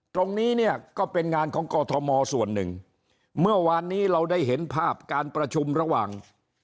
ตรงนี้เนี่ยก็เป็นงานของกอทมส่วนหนึ่งเมื่อวานนี้เราได้เห็นภาพการประชุมระหว่าง